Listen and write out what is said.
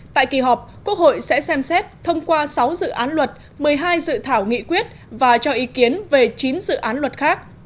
tại kỳ họp quốc hội sẽ xem xét thông qua sáu dự án luật một mươi hai dự thảo nghị quyết và cho ý kiến về chín dự án luật khác